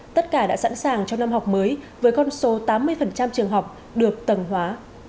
tất cả đã sẵn sàng cho năm học mới với con số tám mươi trường học được tầng hóa